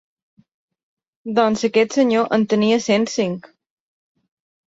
Doncs aquest senyor en tenia cent cinc.